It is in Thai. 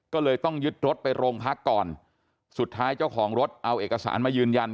ก็เลยต้องยึดรถไปโรงพักก่อนสุดท้ายเจ้าของรถเอาเอกสารมายืนยัน